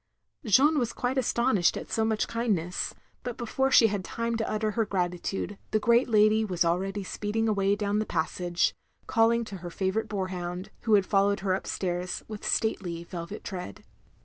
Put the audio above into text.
Jeanne was quite astonished at so much kind ness, but before she had time to utter her grati tude, the great lady was already speeding away down the passage, calling to her favourite boar hound, who had followed her up stairs with stately velvet tread.